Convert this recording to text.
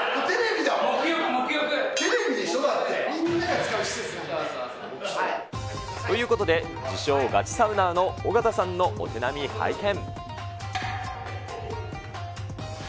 みんなが使う施設なんで。ということで、自称ガチサウナーの尾形さんのお手並み拝見。